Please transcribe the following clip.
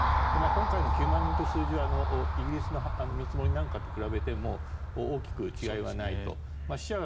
今回の９万人という数字はイギリスの見積もりなんかと比べても大きく違いはないと。